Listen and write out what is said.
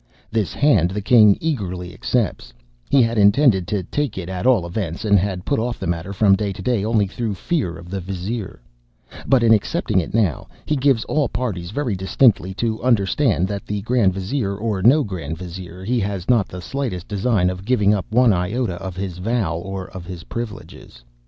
This hand the king eagerly accepts—(he had intended to take it at all events, and had put off the matter from day to day, only through fear of the vizier),—but, in accepting it now, he gives all parties very distinctly to understand, that, grand vizier or no grand vizier, he has not the slightest design of giving up one iota of his vow or of his privileges.